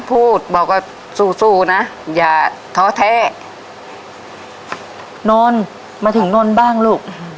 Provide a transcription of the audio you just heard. พูดบอกว่าสู้สู้นะอย่าท้อแท้นอนมาถึงนนท์บ้างลูก